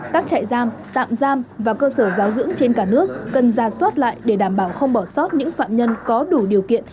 các trại giam tạm giam và cơ sở giáo dưỡng trên cả nước cần ra soát lại để đảm bảo không bỏ sót những phạm nhân có đủ điều kiện